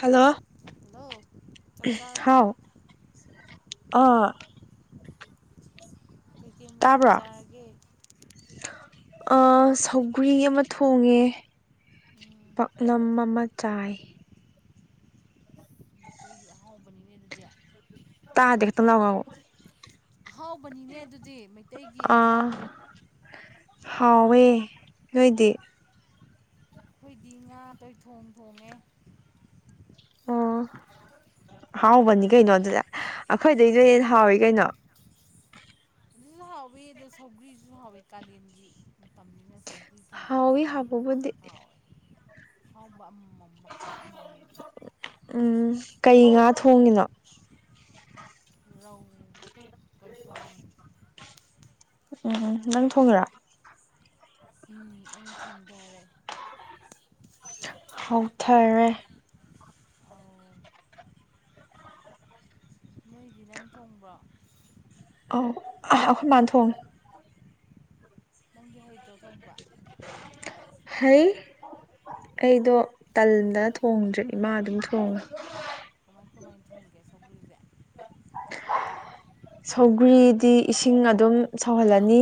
Hello hello ꯆꯥꯛ ꯆꯥꯔꯕꯣ ꯍꯥꯎ ꯑ ꯀꯩ ꯀꯩ ꯃꯊꯦꯜ ꯇꯥꯕ꯭ꯔꯣ ꯆꯔꯒꯦ ꯁꯧꯒ꯭ꯔꯤ ꯑꯃ ꯊꯣꯡꯉꯦ ꯎꯝ ꯄꯥꯛꯂꯝ ꯑꯃ ꯆꯥꯏ ꯑꯩꯒꯤ ꯑꯍꯥꯎꯕꯅꯤꯅꯦꯗꯗꯤ ꯇꯥꯗꯦ ꯈꯤꯇꯡ ꯂꯥꯎꯅ ꯉꯥꯡꯉꯛ ꯑꯣ ꯑꯍꯥꯎꯕꯅꯤꯅꯦ ꯑꯗꯨꯗꯤ ꯃꯩꯇꯩꯒꯤ ꯑꯥ ꯑꯦꯟꯁꯥꯡ ꯍꯥꯎꯋꯦ ꯅꯣꯏꯗꯤ ꯑꯩꯈꯣꯏꯗꯤ ꯉꯥ ꯇꯣꯏ ꯊꯣꯡ ꯊꯣꯡꯉꯦ ꯑꯣ ꯍꯥꯎꯕꯅꯤ ꯀꯩꯅꯣ ꯑꯗꯨꯗ ꯑꯩꯈꯣꯏꯗꯩꯗ ꯍꯟꯅ ꯍꯥꯎꯏ ꯀꯩꯅꯣ ꯑꯗꯨꯁꯨ ꯍꯥꯎꯋꯤ ꯑꯗꯣ ꯁꯧꯒ꯭ꯔꯤꯁꯨ ꯍꯥꯎꯋꯤ ꯀꯥꯂꯦꯟꯒꯤ ꯃꯇꯝꯅꯤꯅ ꯁꯧꯒ ꯏꯁꯊꯣꯡꯕ ꯍꯥꯎꯋꯤ ꯄꯥꯛꯅꯝ ꯍꯥꯏꯕꯁꯤ ꯍꯥꯎꯕꯕꯨꯗꯤ ꯍꯥꯎꯋꯦ ꯑꯍꯥꯎꯕ ꯑꯃꯃ-ꯃꯝ ꯃꯈꯜ ꯑꯃꯃꯝ ꯎꯝ ꯀꯩ ꯉꯥ ꯊꯣꯡꯉꯤꯅꯣ ꯔꯧ ꯇꯣꯏꯊꯣꯡ ꯎꯝ ꯅꯪ ꯊꯣꯡꯉꯤꯔꯣ ꯎꯝ ꯑꯩꯅ ꯊꯣꯡꯗꯥꯔꯦ ꯍꯧꯊꯥꯔꯦ [unintelligible] ꯅꯣꯏꯗꯤ ꯅꯪ ꯊꯣꯡꯕ꯭ꯔꯣ ꯑꯧ ꯑꯈꯣꯏ ꯃꯥꯅ ꯊꯣꯡꯉꯦ ꯅꯪꯗꯤ ꯍꯩꯇ꯭ꯔꯣ ꯊꯣꯡꯕ ꯍꯩ ꯑꯩꯗꯣ ꯇꯜꯗꯅ ꯊꯣꯡꯗ꯭ꯔꯦ ꯏꯃꯥ ꯑꯗꯨꯝ ꯊꯣꯡꯉꯦ ꯀꯃꯥꯏ ꯀꯃꯥꯏꯅ ꯊꯧꯡꯒꯦ ꯁꯧꯒ꯭ꯔꯤꯖꯦ ꯁꯧꯒ꯭ꯔꯤꯗꯤ ꯏꯁꯤꯡ ꯑꯗꯨꯝ ꯁꯧꯍꯜꯂꯅꯤ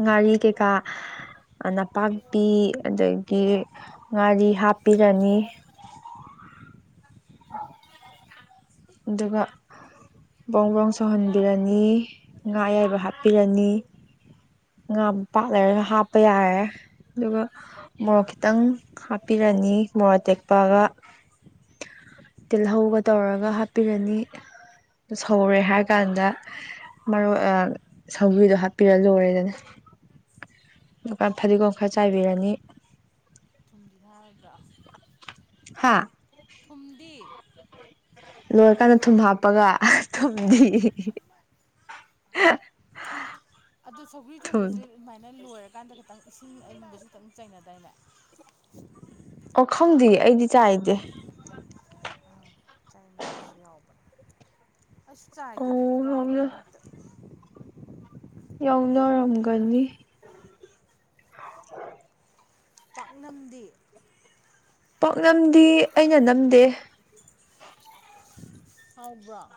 ꯉꯥꯔꯤ ꯀꯩꯀꯥ ꯅꯄꯥꯛꯄꯤ ꯑꯗꯥꯒꯤ ꯉꯥꯔꯤ ꯍꯥꯞꯄꯤꯔꯅꯤ ꯑꯗꯨꯒ ꯕ꯭ꯔꯣꯡ-ꯕ꯭ꯔꯣꯡ ꯁꯧꯍꯟꯕꯤꯔꯅꯤ ꯉꯥ ꯑꯌꯥꯏꯕ ꯍꯥꯞꯄꯤꯔꯅꯤ ꯉꯥꯕꯥꯛ ꯂꯩꯔꯒ ꯍꯥꯞꯄ ꯌꯥꯔꯦ ꯑꯗꯨꯒ ꯃꯣꯔꯣꯛ ꯈꯤꯇꯪ ꯍꯥꯞꯄꯤꯔꯅꯤ ꯃꯣꯔꯣꯛ ꯑꯇꯦꯛꯄꯒ ꯇꯤꯜꯍꯧꯒ ꯇꯧꯔꯒ ꯍꯥꯞꯄꯤꯔꯅꯤ ꯁꯧꯔꯦ ꯍꯥꯏꯔꯥ ꯀꯥꯟꯗ ꯑꯥ ꯃꯔꯣꯏ ꯁꯧꯒ꯭ꯔꯤꯗꯣ ꯍꯥꯞꯄꯤꯔꯥ ꯂꯣꯏꯔꯦꯗꯅ [unintelligible] ꯐꯥꯗꯤꯒꯣꯝ ꯈꯔꯥ ꯆꯥꯏꯕꯤꯔꯅꯤ [unintelligible] ꯍꯥꯥ ꯊꯨꯝꯗꯤ ꯂꯣꯏꯔꯥꯀꯥꯟꯗ ꯊꯨꯝ ꯍꯥꯞꯄꯒ ꯊꯨꯝꯗꯤ ꯑꯗꯨ ꯁꯧꯒ꯭ꯔꯤ ꯊꯨꯝ ꯊꯣꯡꯕꯖꯤ ꯁꯨꯃꯥꯏꯅ ꯂꯣꯏꯔꯀꯥꯟꯗ ꯈꯤꯇꯪ ꯏꯁꯤꯡ ꯑꯌꯤꯡꯕꯁꯤ ꯈꯤꯇꯪ ꯆꯥꯏꯅꯗꯥꯏꯅꯦ ꯑꯣ ꯈꯪꯗꯦ ꯑꯩꯗꯤ ꯆꯥꯏꯗꯦ꯫ ꯅꯕꯁꯨ ꯌꯥꯎꯕꯅꯦ ꯑꯁꯨ ꯑꯣ ꯆꯥꯏꯗꯦꯅ ꯌꯥꯝꯅ ꯀꯥꯎꯗꯅ ꯍꯦꯛꯇ ꯌꯥꯎꯅꯔꯝꯒꯅꯤ [inaudible] ꯄꯥꯛꯅꯝꯗꯤ ꯄꯥꯛꯅꯝꯗꯤ ꯑꯩꯅ ꯅꯝꯗꯦ ꯐꯥꯎꯕ꯭ꯔꯣ꯫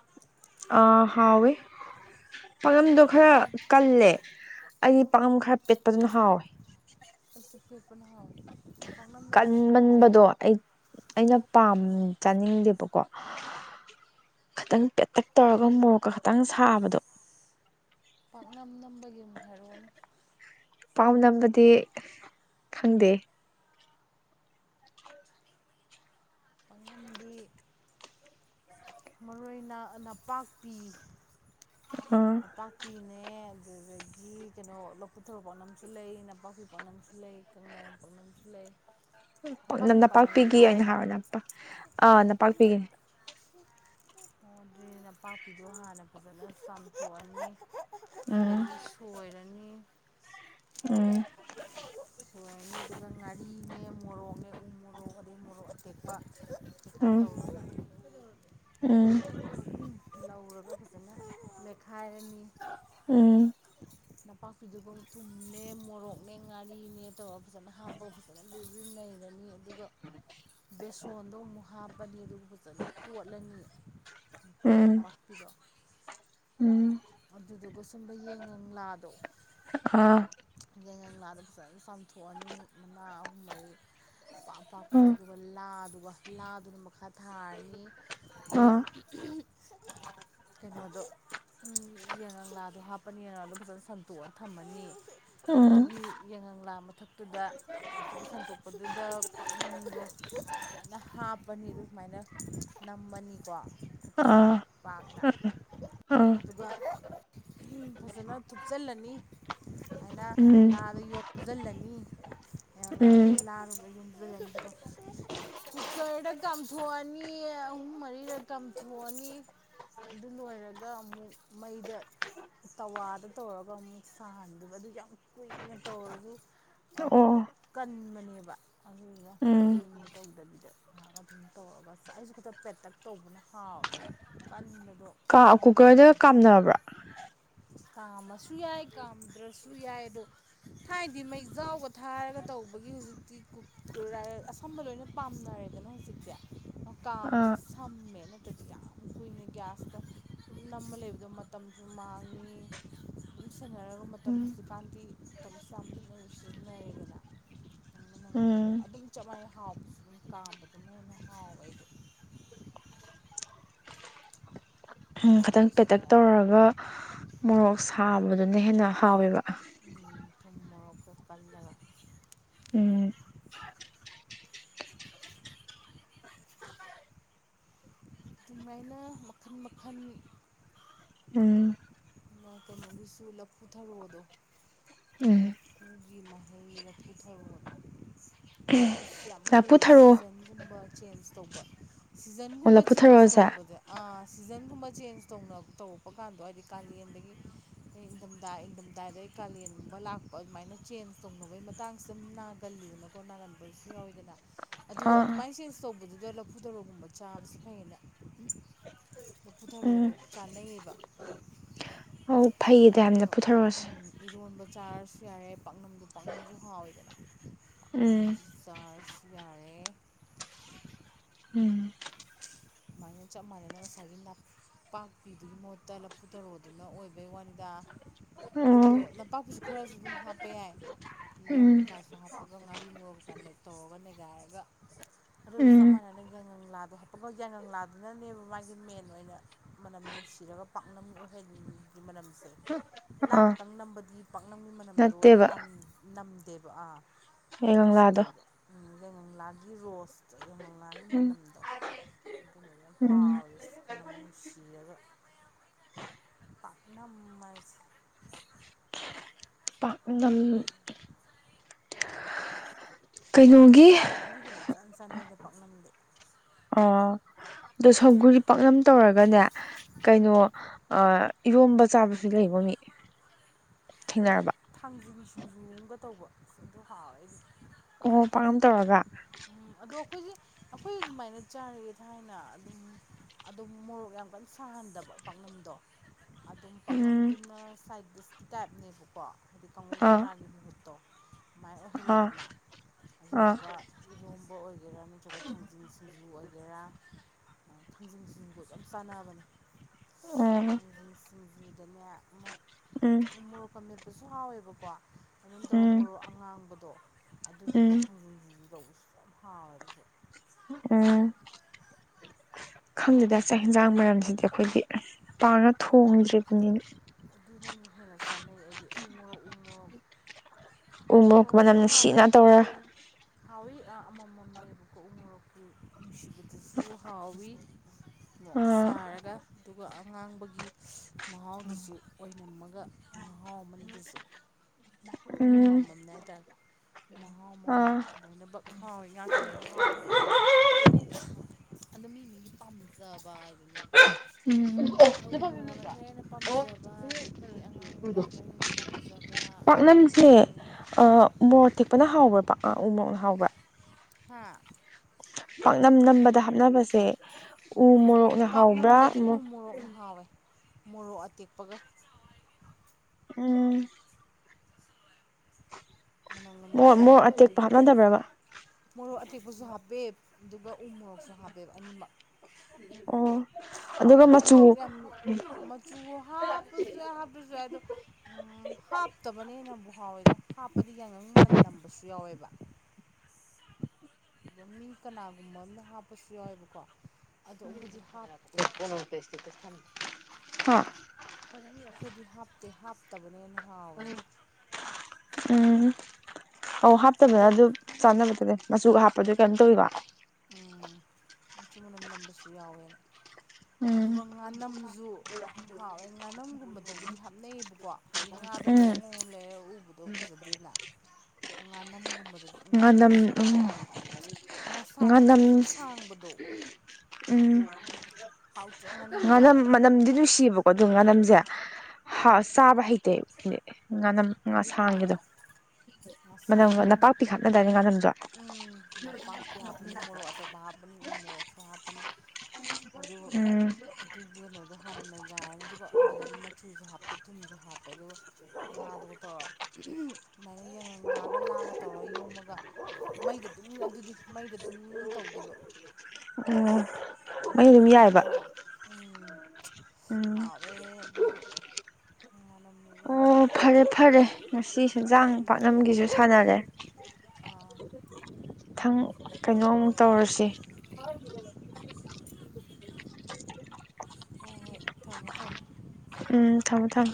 ꯑ ꯍꯥꯎꯋꯦ ꯄꯥꯛꯅꯝꯗꯣ ꯈꯔ ꯄꯥꯛꯅꯝ ꯀꯜꯂꯦ꯫ ꯑꯩꯗꯤ ꯄꯥꯝꯕꯝ ꯈꯔ ꯄꯦꯠꯄꯗꯨꯅ ꯍꯥꯎꯋꯦ꯫ ꯑꯩꯁꯨ ꯄꯦꯠꯄꯅ ꯍꯥꯎꯏ꯫ ꯀꯟꯃꯟꯕꯗꯣ ꯑꯩ ꯑꯩꯅ ꯄꯥꯝ ꯆꯥꯅꯤꯡꯗꯦꯕꯀꯣ ꯈꯤꯇꯪ ꯄꯦꯇꯛ ꯇꯧꯔꯒ ꯃꯣꯔꯣꯛꯀꯥ ꯈꯤꯇꯪ ꯁꯥꯕꯗꯣ ꯄꯥꯛꯅꯝ ꯅꯝꯕꯒꯤ ꯑꯃꯨꯛ ꯍꯥꯏꯔꯛꯑꯣꯅꯦ ꯄꯥꯎ ꯅꯝꯕꯗꯤ ꯈꯪꯗꯦ ꯄꯥꯛꯅꯝꯗꯤ ꯃꯔꯨ ꯑꯣꯏꯅ ꯅꯄꯥꯛꯄꯤ [unintelligible] ꯄꯥꯛꯄꯤꯅꯦ ꯑꯗꯨꯗꯒꯤ ꯀꯩꯅꯣ ꯂꯧ ꯄꯨꯛ ꯊꯥꯔꯣ ꯄꯥꯛꯅꯝꯁꯨ ꯂꯩ ꯅꯄꯥꯛꯄꯤ ꯄꯥꯛꯅꯝꯁꯨ ꯂꯩ ꯀꯪꯂꯥꯌꯦꯟ ꯄꯥꯛꯅꯝꯁꯨ ꯂꯩ ꯄꯛꯅꯝ ꯅꯄꯥꯛꯄꯤ ꯄꯥꯛꯅꯝ ꯅꯣꯏ ꯅꯄꯥꯛꯄꯤꯒꯤ ꯑꯣꯏꯅ ꯆꯥꯏꯗꯣ ꯍꯥꯔ ꯅꯝꯄꯥ ꯑꯥ ꯅꯄꯥꯛꯄꯤꯒꯤ ꯑꯣ ꯑꯗꯨꯗꯤ ꯅꯄꯥꯛꯄꯤꯗꯣ ꯍꯥꯟꯅ ꯐꯖꯅ ꯆꯥꯝꯊꯣꯛꯑꯅꯤ ꯎꯝ ꯑꯗꯒꯤ ꯁꯣꯏꯔꯅꯤ ꯎꯝ ꯁꯣꯏꯔꯅꯤ ꯑꯗꯨꯒ ꯉꯥꯔꯤ ꯅꯦ ꯃꯣꯔꯣꯛꯅꯦ ꯎ ꯃꯣꯔꯣꯛ ꯑꯗꯨ ꯃꯣꯔꯣꯛ ꯑꯇꯦꯛꯄ ꯀꯩꯀꯥ ꯇꯧꯔꯒ ꯎꯝ ꯂꯧꯔꯒ ꯐꯖꯅ ꯃꯦꯠꯈꯥꯏꯔꯅꯤ ꯎꯝ [inaudible] ꯅꯄꯥꯛꯄꯤꯗꯨꯒ ꯊꯨꯝꯅꯦ ꯃꯣꯔꯣꯛꯅꯦ ꯉꯥꯔꯤꯅꯦ ꯇꯧꯔꯒ ꯐꯖꯅ ꯍꯥꯞꯄꯒ ꯐꯖꯅ ꯕꯔꯤ ꯕꯔꯤ ꯅꯩꯔꯅꯤ꯫ ꯑꯗꯨꯒ ꯕꯦꯁꯣꯟꯗꯣ ꯑꯃꯨꯛ ꯍꯥꯞꯄꯅꯤ ꯑꯗꯨꯒ ꯐꯖꯅ ꯇꯣꯠꯂꯅꯤ ꯎꯝ ꯅꯄꯥꯛꯄꯤꯗꯣ ꯎꯝ꯫ ꯑꯗꯨꯗꯨꯒ ꯁꯨꯝꯕ ꯌꯦꯡꯉꯪꯂꯥꯗꯣ ꯑꯥ ꯌꯦꯡꯉꯪꯂꯥꯗꯣ ꯐꯖꯅ ꯆꯥꯝꯊꯣꯛꯑꯅꯤ ꯃꯅꯥꯥ ꯑꯍꯨꯝ ꯃꯔꯤ ꯑꯄꯥꯛ ꯑꯄꯥꯛꯄꯗꯣ ꯎꯝ ꯑꯗꯨ ꯑꯗꯨꯒ ꯂꯥꯗꯨ ꯂꯥꯗꯨꯅ ꯃꯈꯥ ꯊꯥꯔꯅꯤ ꯑꯗꯨꯒ ꯑꯥ [unintelligible] ꯀꯩꯅꯣꯗꯣ꯫ ꯎꯝ ꯌꯦꯡꯉꯪꯂꯥꯗꯣ ꯍꯥꯞꯄꯅꯤ ꯌꯦꯡꯉꯪꯂꯥꯗꯣ ꯐꯖꯅ ꯁꯟꯇꯣꯛꯑ ꯊꯝꯃꯅꯤ ꯎꯝ ꯑꯗꯨꯒꯤ ꯌꯦꯡꯉꯪꯂꯥ ꯃꯊꯛꯇꯨꯗ ꯑꯗꯨꯒꯤ ꯁꯟꯇꯣꯛꯄꯗꯨꯗ ꯄꯥꯛꯅꯝꯗꯣ ꯐꯖꯅ ꯍꯥꯞꯄꯅꯤ ꯑꯗꯨ ꯁꯨꯃꯥꯏꯅ ꯅꯝꯃꯅꯤꯀꯣ ꯈꯨꯠꯇꯨꯅ ꯑꯥ ꯄꯥꯛꯅ ꯑꯥ ꯑꯗꯨꯒ ꯐꯖꯅ ꯊꯨꯞꯆꯜꯂꯅꯤ ꯍꯥꯏꯅ ꯎꯝ ꯂꯥꯗ ꯌꯣꯝꯁꯤꯜꯂꯅꯤ ꯌꯦꯡꯉꯪꯂꯥ ꯎꯝ ꯂꯥꯗꯨꯒ ꯂꯣꯏ ꯌꯣꯝꯖꯜꯂꯅꯤ ꯀꯨꯀꯔꯗ ꯀꯥꯝꯊꯣꯛꯑꯅꯤ ꯑꯍꯨꯝ ꯃꯔꯤꯔꯛ ꯀꯥꯝꯊꯣꯛꯑꯅꯤ ꯑꯗꯨ ꯂꯣꯏꯔꯒ ꯑꯃꯨꯛ ꯃꯩꯗ ꯇꯋꯥꯗ ꯇꯧꯔꯒ ꯑꯃꯨꯛ ꯁꯥꯍꯟꯗꯣꯏꯕ ꯑꯗꯨ ꯌꯥꯝ ꯀꯨꯏꯅ ꯇꯧꯔꯖꯨ ꯑꯣ ꯀꯟꯕꯅꯦꯕ ꯑꯗꯨꯗꯨꯅ ꯎꯝ ꯀꯨꯏꯅ ꯇꯧꯗꯕꯤꯗ ꯉꯥꯏꯍꯥꯛ ꯑꯗꯨꯝ ꯇꯧꯔꯒ ꯑꯩꯁꯨ ꯈꯤꯇꯪ ꯄꯦꯇꯛ ꯇꯧꯕꯅ ꯍꯥꯎꯋꯦ꯫ ꯀꯟꯕꯗꯣ ꯀꯥ ꯃꯍꯥꯎ ꯀꯨꯀꯔꯗ ꯃꯥꯡꯕꯅꯤ ꯀꯥꯝꯅꯕ꯭ꯔꯥ ꯀꯥꯝꯃꯁꯨ ꯌꯥꯏ ꯀꯥꯝꯗ꯭ꯔꯁꯨ ꯌꯥꯏ ꯑꯗꯣ ꯊꯥꯏꯅꯗꯤ ꯃꯩ ꯖꯥꯎꯒ ꯊꯥꯔꯒ ꯇꯧꯕꯒꯤ ꯍꯧꯖꯤꯛꯇꯤ ꯀꯨꯀꯥꯔ ꯔꯥꯁ ꯑꯁꯥꯝꯕ ꯂꯣꯏꯅ ꯄꯥꯝꯅꯔꯦꯗꯅ ꯍꯧꯖꯤꯛꯇꯤ ꯀꯥꯝꯕꯅꯥ ꯑꯥ ꯁꯝꯃꯦ ꯅꯠꯇ꯭ꯔꯗꯤ ꯌꯥꯝ ꯀꯨꯏꯅ ꯒ꯭ꯌꯥꯁꯇ ꯁꯨꯝ ꯅꯥꯝꯃꯒꯥ ꯂꯩꯕꯗꫭ ꯑꯗꯨ ꯃꯇꯝꯁꯨ ꯃꯥꯡꯉꯤ ꯑꯗꯨꯝ ꯁꯦꯟꯅꯔꯒ ꯃꯇꯝ ꯎꯝ ꯍꯧꯖꯤꯛꯀꯥꯟꯗꯤ ꯃꯇꯝꯁꯨ ꯌꯥꯝ ꯂꯤꯛꯅꯁꯨ ꯑꯗꯨꯝ ꯁꯤꯖꯤꯟꯅꯔꯦꯗꯅ ꯅꯪꯪꯅ ꯅꯪꯅꯕꯗ ꯎꯝ ꯑꯗꯨꯝ ꯆꯞ ꯃꯥꯟꯅꯩ ꯍꯥꯎꯕꯁꯨ ꯑꯗꯨꯝ ꯀꯥꯝꯕꯗꯨꯅꯟꯅ ꯍꯥꯎꯋꯦ ꯑꯩꯗꯣ [unintelligible] ꯎꯝ ꯈꯤꯇꯪ ꯄꯦꯇꯛ ꯇꯧꯔꯒ ꯃꯣꯔꯣꯛ ꯁꯥꯕꯗꯨꯅ ꯍꯦꯟꯅ ꯍꯥꯎꯋꯦꯕ ꯎꯝ ꯊꯨꯝ ꯃꯣꯔꯣꯛꯇꫭ ꯀꯜꯂꯒ ꯎꯝ ꯑꯗꯨꯃꯥꯏꯅ ꯃꯈꯟ ꯃꯈꯟ ꯎꯝ ꯀꯩꯅꯣꯒꯤꯁꯨ ꯂꯐꯨ ꯊꯔꯣꯗꯣ ꯎꯝ ꯂꯐꯨꯒꯤ ꯃꯍꯩ ꯂꯐꯨ ꯊꯔꯣꯗꯣ ꯑꯗꯨꯁꯨ ꯌꯥꯝ ꯂꯐꯨ ꯐꯩꯌꯦ ꯊꯔꯣ ꯁꯤꯖꯟꯒꯨꯝꯕ ꯆꯦꯟꯖ ꯇꯧꯕ ꯑꯣ ꯁꯤꯖꯟꯒꯨꯝꯕ ꯂꯐꯨ ꯆꯦꯟꯖ ꯊꯔꯣꯁꯦ ꯇꯧꯕꯗ ꯑ ꯁꯤꯖꯟꯒꯨꯝꯕ ꯆꯦꯟꯖ ꯇꯧ ꯇꯧꯔꯛꯄ ꯀꯥꯟꯗꯣ ꯍꯥꯏꯗꯤ ꯀꯥꯂꯦꯟꯗꯒꯤ ꯏꯪꯗꯝꯗ ꯏꯪꯗꯝꯗꯥꯗꯒꯤ ꯀꯥꯂꯦꯟꯒꯨꯝꯕ ꯂꯥꯛꯄ ꯑꯗꯨꯃꯥꯏꯅ ꯆꯦꯟꯖ ꯇꯧꯅꯕꯒꯤ ꯃꯇꯥꯡꯁꯦ ꯑꯗꯨꯝ ꯅꯥꯒꯜꯂꯤꯗꯅ ꯀꯣ ꯅꯥꯔꯝꯕꯔꯁꯨ ꯌꯥꯎꯋꯤꯗꯅ ꯑꯗꯨ ꯑꯥ ꯑꯗꯨꯃꯥꯏꯅ ꯆꯦꯟꯖ ꯇꯧꯕꯗꯨꯗ ꯂꯐꯨꯊꯔꯣꯒꯨꯝꯕ ꯆꯥꯕꯁꯨ ꯐꯩꯌꯦꯅ ꯂꯐꯨ ꯎꯝ ꯊꯔꯣꯗꯣ ꯆꯥꯅꯩꯌꯦꯕ꯫ ꯑꯣ ꯐꯩꯌꯦꯗꯤ ꯍꯥꯕꯅꯤ ꯑꯗꯣ ꯂꯐꯨ ꯊꯔꫭ ꯁꯦ꯫ ꯏꯔꯣꯟꯕ ꯆꯥꯔꯁꯨ ꯌꯥꯔꯦ ꯄꯥꯛꯅꯝꯗ ꯄꯥꯛꯅꯝꯁꯨ ꯍꯥꯎꯋꯦꯗꯅ ꯄꯥꯛꯅꯝ ꯎꯝ ꯆꯥꯔꯁꯨ ꯌꯥꯔꯦ ꯎꯝ ꯑꯗꯨꯨꯃꯥꯏꯅ ꯆꯞ ꯃꯥꯟꯅꯅ ꯉꯁꯥꯏꯒꯤ ꯅꯥꯄ ꯄꯥꯛꯄꯤꯗꯨꯒꯤ ꯃꯍꯨꯠꯇ ꯂꯐꯨ ꯊꯔꫭꯗꯨꯅ ꯑꯣꯏꯕꯩ ꯋꯥꯅꯤꯗ ꯑꯣ ꯑꯗꯨꯒ ꯅꯄꯥꯛꯄꯤꯁꯨ ꯈꯔꯁꯨ ꯑꯗꯨꯝ ꯍꯥꯞꯄ ꯌꯥꯏ ꯂꯧ ꯎꯝ ꯆꯁꯨ ꯍꯥꯞꯄꯒ ꯉꯥꯔꯤ ꯉꯣꯔꯣꯛ ꯀꯥꯟꯗꯦꯛ ꯇꯧꯔꯒ ꯅꯩꯒꯥꯏꯔꯒ ꯑꯗꯨꯖ ꯆꯞ ꯎꯝ ꯃꯥꯟꯅ ꯌꯥꯏꯉꯪ ꯂꯥꯗꯨ ꯍꯥꯏ ꯑꯩꯈꯣꯏ ꯌꯥꯏꯉꯪꯂꯥꯗꯨꯅꯅꯦꯕ ꯃꯥꯁꯦ ꯃꯦꯟ ꯑꯣꯏꯅ ꯃꯅꯝ ꯅꯨꯡꯁꯤꯔꯒ ꯄꯥꯛꯅꯝ ꯑꯣꯏꯍꯟꯂꯤꯅꯤ ꯒꯤ ꯃꯔꯝꯁꯦ ꯂꯥ ꯑꯥ ꯈꯛꯇꯪ ꯅꯝꯕꯗꯤ ꯄꯥꯛꯅꯝꯒꯤ ꯃꯅꯝꯗꯣ ꯅꯠꯇꯦꯕ ꯅꯝꯗꯦꯕ ꯑꯥ ꯑꯩ ꯀꯪꯂꯥꯗꯣ ꯅꯨꯡꯁꯤꯗꯦꯕ ꯎ ꯌꯥꯏꯉꯪꯂꯥꯒꯤ ꯔꯣꯁꯇꯣ ꯌꯥꯏꯉꯂꯥꯒꯤ ꯎꯝ ꯃꯅꯝꯗꯣ ꯑꯗꯨ ꯎꯝ ꯊꯥꯎ ꯃꯅꯝ ꯅꯨꯡꯁꯤꯔꯒ ꯄꯥꯛꯅꯝ ꯍꯥꯏꯁ‌ꯦ ꯄꯥꯛꯅꯝ ꯁꯧꯒ꯭ꯔꯤꯒꯅ ꯏꯆꯥꯟ ꯆꯥꯟꯅꯩꯗ ꯄꯥꯛꯅꯝꯗꯤ ꯑꯣ ꯑꯗꯣ ꯁꯪꯒꯨꯔꯤ ꯄꯥꯛꯅꯝ ꯇꯧꯔꯒꯅꯦ ꯀꯩꯅꯣ ꯏꯔꯣꯝꯕ ꯆꯥꯕ ꯁꯤ ꯂꯩꯕ ꯃꯤ ꯅꯪ ꯊꯦꯡꯅꯔꯕ ꯊꯥꯡꯖꯨꯒꯤ ꯁꯨꯡꯖꯨ ꯑꯃꯝꯒ ꯇꯧꯕ ꯑꯗꯨꯣ ꯍꯥꯎꯋꯦ ꯑꯩꯁꯦ ꯑꯣ ꯄꯥꯛꯅꯝ ꯇꯧꯔꯒ ꯎꯝ ꯑꯗꯣ ꯑꯩꯈꯣꯏꯁꯦ ꯑꯩꯈꯣꯏ ꯑꯗꯨꯃꯥꯏꯅ ꯆꯥꯔꯒꯦ ꯊꯥꯏꯅ ꯑꯗꯨꯝ ꯑꯗꯨ ꯃꯣꯔꯣꯛ ꯌꯥꯝ ꯀꯟꯅ ꯁꯥꯍꯟꯗꯕ ꯄꯥꯛꯅꯝꯗꯣ ꯑꯗꯨꯝ ꯎꯝ ꯄꯥꯛꯅꯝꯗꯨꯅ ꯁꯥꯏꯠ ꯗꯤꯁꯀꯤ ꯇꯥꯏꯞꯅꯦꯕꯀꯣ ꯍꯥꯏꯗꯤ ꯀꯥꯡꯉꯨ ꯑꯥ ꯕꯣꯔꯥꯒꯤ ꯃꯍꯨꯠꯇꯣ ꯑꯗꯨꯃꯥꯏꯅ ꯑꯥ ꯑꯣꯏꯍꯜꯂꯦꯗꯅ ꯑꯥ ꯑꯗꯨꯗꯨꯒ ꯏꯣꯝꯕ ꯑꯣꯏꯒꯦꯔꯥ ꯅꯠꯇ꯭ꯔꯒ ꯊꯥꯡꯖꯤꯟꯁꯦ ꯁꯤꯡꯖꯨ ꯑꯣꯏꯒꯦꯔꯥ ꯊꯥꯡꯖꯤꯡ ꯁꯤꯡꯤꯡꯕꯨ ꯌꯥꯝ ꯆꯥꯟꯅꯕꯅꯦ ꯑꯣ ꯍꯩ ꯁꯤꯡꯖꯨꯗꯅꯦ ꯎ ꯎꯝ ꯃ‌ꯣꯔ‌ꯣꯛ ꯐꯝꯃꯦꯠꯄꯁꯨ ꯍꯥꯎꯋꯦꯕꯀꯣ ꯑꯗꯨꯝ ꯎꯝ ꯇꯧꯔꯝꯃꯣꯔꯣ ꯑꯉꯥꯡꯕꯗꯣ ꯑꯗꯨꯗꯨꯒ ꯎꯝ ꯊꯥꯡꯖꯤꯡꯖꯤꯁꯨ ꯖꯧꯁꯤ ꯐꯥꯔꯤꯁꯦ ꯎꯝ ꯈꯪꯗꯦꯗ ꯆꯥꯛ ꯌꯦꯟꯁꯥꯡ ꯃꯔꯝꯁꯤꯗꯤ ꯑꯩꯈꯣꯏꯗꯤ ꯄꯥꯅ ꯊꯣꯡꯗ꯭ꯔꯔꯤꯕꯅꯤꯅ ꯑꯗꯨꯅ ꯑꯃꯨꯛ ꯍꯦꯟꯅ ꯆꯥꯅꯩ ꯑꯩꯗꯤ ꯎꯉꯣ ꯎꯃꯣ ꯎꯃꯣꯛ ꯃꯅꯝ ꯅꯨꯡꯁꯤꯠꯅ ꯇꯧꯔ ꯍꯥꯎꯋꯏ ꯑꯃꯃꯝꯅꯦꯕꯀꯣꯛꯎ ꯃꯣꯔꯣꯛꯇꯤ ꯅꯨꯡꯁꯤ ꯑꯗꯨꯁꯨ ꯍꯥꯎꯋꯤ ꯑꯃꯛ ꯑꯥ ꯁꯥꯔꯒ ꯑꯗꯨꯒ ꯑꯉꯥꯡꯕꯒꯤ ꯃꯍꯥꯎꯗꯨꯁꯨ ꯑꯣꯏꯅꯝꯃꯒ ꯃꯍꯥꯎ ꯑꯃꯗꯨꯁꯨ ꯎꯝ ꯑꯃꯃꯝꯅꯦ ꯍꯥꯏꯇꯥꯔꯦ ꯃꯍꯥꯎ ꯑꯃꯃꯝ ꯑꯥ ꯂꯣꯏꯅꯃꯛ ꯍꯥꯎꯋꯦ ꯉꯥꯛꯇꯅꯦꯅ ꯍꯥꯎꯕꯗꯅꯤꯃꯛ ꯑꯗꯣ ꯃꯤ ꯃꯤꯗꯤ ꯄꯥꯝ ꯎꯝ ꯎ ꯃꯣꯔꯣꯛꯅ ꯈꯔ ꯍꯦꯟꯅ ꯑꯣ ꯄꯥꯝꯖꯕ ꯑꯗꯒꯤ ꯑꯉꯥꯡꯕꯅ ꯑꯗꯨꯗ‌ꯣ ꯈꯔ ꯍꯦꯟꯅ ꯄꯥꯝꯖꯕ ꯄꯅꯝꯁꯦ ꯑꯗꯩ ꯃꯣꯔꯣꯛ ꯊꯦꯛꯄꯅ ꯍꯥꯎꯕ꯭ꯔꯕꯥ ꯎ ꯃꯣꯔꯣꯛꯅ ꯍꯥꯎꯕ꯭ꯔꯥ ꯍꯥꯥ ꯄꯥꯛꯅꯝ ꯅꯝꯕꯗ ꯍꯥꯞꯅꯕꯁꯦ ꯎ ꯃꯣꯔꯣꯛ ꯄꯥꯛꯅꯝꯗꯗꯤ ꯎ ꯃꯣꯔꯣꯛꯅ ꯍꯥꯎꯋꯦ ꯃꯣꯔꯣꯛ ꯑꯇꯦꯛꯄꯒ ꯎꯝ ꯃꯅꯝꯒ ꯃꯣꯏ ꯃ ꯅꯨꯡꯁꯤꯔꯒ ꯑꯇꯦꯛꯄ ꯑꯗꯨꯅ ꯍꯥꯞꯅꯗꯕ꯭ꯔꯕ ꯃꯣꯔꯣꯛ ꯑꯇꯦꯛꯄꯁꯨ ꯍꯥꯞꯄꯦ ꯑꯗꯨꯒ ꯎ ꯃꯣꯔꯣꯛꯁꯨ ꯍꯥꯞꯄꯦꯕ ꯑꯅꯤꯃꯛ ꯑꯣ ꯑꯗꯨꯒ ꯃꯨꯔꯣꯛ ꯃꯆꯨ ꯌꯥꯝ ꯃꯆꯨ ꯍꯥꯞ ꯁꯨꯌꯥꯏ ꯍꯥꯞꯇꯔꯥ꯭ꯁꯨ ꯌꯥꯏ ꯑꯗꯨ ꯍꯥꯞꯇꯕꯅꯦꯅꯕꯨ ꯍꯥꯎꯋꯦꯗꯣ ꯍꯥꯞꯄꯗꯤ ꯌꯥꯏꯉꯪ ꯃꯅꯝ ꯅꯝꯕꯁꯨ ꯌꯥꯎꯋꯦꯕ ꯑꯗꯣ ꯃꯤꯡ ꯀꯅꯥꯒꯨꯝꯕ ꯑꯃꯝꯅ ꯍꯥꯞꯄꯁꯨ ꯌꯥꯎꯋꯦꯕꯀꯣ ꯑꯗꯣ ꯑꯩꯈꯣꯏꯗꯤ ꯍꯥꯞꯇꯦ ꯍꯥ ꯑꯩꯈꯣꯏꯗꯤ ꯍꯥꯞꯇꯦ ꯍꯥꯞꯇꯕꯅꯦꯅ ꯍꯥꯎꯋꯦ ꯎꯝ ꯑꯧ ꯑꯗꯣ ꯍꯥꯞꯇꯕꯗ ꯑꯗꯨ ꯆꯥꯟꯅꯕꯗꯅꯦ ꯃꯆꯨꯒ ꯍꯥꯞꯄꯗꯨ ꯀꯩꯅꯣꯝꯊꯣꯏꯋꯦꯀ ꯎꯝ ꯃꯆꯨ ꯃꯅꯝ ꯅꯝꯕꯁꯨ ꯌꯥꯎꯋꯦꯅ ꯎꯝ ꯑꯗꯨꯒ ꯉꯥꯅꯝꯁꯨ ꯍꯥꯎ ꯑꯩ ꯉꯥꯅꯝꯒꯨꯝꯕꯗꯕꯨꯗꯤ ꯍꯥꯞꯅꯩꯌꯦꯕꯀꯣ ꯍꯥꯏꯗꯤ ꯉꯥꯗꯣ ꯎꯝ ꯉꯣꯔꯣꯛ ꯉ ꯂꯩꯔ ꯎꯕꯗꯣ ꯐꯖꯗꯦꯅ ꯉꯥꯅꯝꯒꯨꯝꯕ ꯉꯥꯅꯝ ꯉꯥꯅꯝꯁꯨ ꯌꯥꯝ ꯎꯝ ꯍꯥꯎꯋꯦ ꯉꯥꯡ ꯉꯥꯅꯝ ꯁꯥꯡꯕ ꯎꯝ ꯍꯥꯎꯗ꯭ꯔꯣꯡ ꯉꯥꯅꯝ ꯃꯅꯝꯗꯤ ꯅꯨꯡꯁꯤꯌꯦꯕꯀꯣ ꯑꯣ ꯉꯥꯅꯝꯁꯦ ꯆꯥꯕ ꯍꯩꯇ ꯉꯥꯅꯝ ꯉꯥ ꯑꯗꯨꯗꯤ ꯍꯥꯎꯋꯦ ꯁꯥꯡꯈꯤꯕꯗꯣ ꯃꯅꯝ ꯅꯄꯥꯛ ꯇꯤ ꯈꯠꯅ ꯇꯗꯥꯅꯤꯉꯥꯟꯅꯣ ꯎ ꯅꯄꯥꯛꯄꯤ ꯍꯥꯞꯄꯅꯤ ꯃꯣꯔꯣꯛ ꯑꯇꯦꯛꯄ ꯍꯥꯞꯄꯅꯤ ꯎ ꯃꯣꯔꯣꯛꯁꯨ ꯍꯥꯞꯄꯅꯤ ꯑ ꯎꯝ ꯑꯗꯨꯒꯤ ꯀꯩꯅꯣꯗꯣ ꯍꯥꯟꯅꯅꯩꯒꯥꯏꯔꯅꯤ ꯑꯗꯨꯒ ꯑꯗꯨꯗꯗꯤ ꯃꯆꯨꯁꯨ ꯍꯥꯞꯄ ꯄ ꯊꯨꯝꯁꯨ ꯍꯥꯞꯄꯦ ꯑꯗꯨꯒ ꯉꯥꯗꯨꯒ ꯇꯧꯔ ꯑꯗꯨꯃꯥꯏꯅ ꯌꯦꯡꯉ ꯂꯛꯑꯒ ꯂꯥꯛꯑꯒ ꯇꯧꯔꯒ ꯌꯣꯝꯃꯒ ꯃꯩꯗ ꯑꯗꯨꯝ ꯑꯗꯨꯗꯤ ꯃꯩꯗ ꯑꯗꯨꯝ ꯇꯧꯗꯣꯏꯕ ꯑꯣ ꯃꯩ ꯃꯩꯗ ꯑꯗꯨꯝ ꯌꯥꯏꯑꯕ ꯅꯝꯗꯣꯏꯕ ꯎꯝ ꯍꯕꯦ ꯑꯗꯨ ꯑꯗꯨꯁꯨ ꯑꯣ ꯍꯥꯎꯕꯅꯦ ꯐꯔꯦ ꯐꯔꯦ ꯉꯁꯤ ꯁꯦꯟꯖꯥꯡ ꯄꯥꯠꯂꯝꯒꯤꯁꯨ ꯁꯥꯟꯅꯔꯦ ꯑ ꯏꯊꯪ ꯀꯩꯅꯣ ꯑꯃꯨꯛ ꯇꯧꯔꯁꯤ ꯍꯣꯏ ꯊꯝꯃꯣ ꯊꯝꯃꯃꯦ ꯎꯝ ꯊꯝꯃꯦ ꯊꯝꯃꯦ